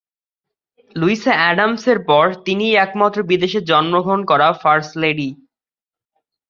Luisa Adams এর পর তিনিই একমাত্র বিদেশে জন্মগ্রহণ করা ফার্স্ট লেডি।